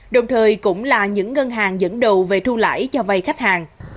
đồng thời cũng là những ngân hàng dẫn đầu về thu lãi cho vay khách hàng